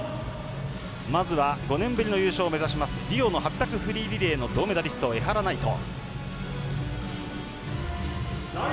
まずは５年ぶりの優勝を目指しますリオの８００ｍフリーリレーの銅メダリスト、江原騎士。